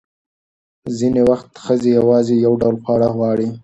ځینې وخت ښځې یوازې یو ډول خواړه غواړي.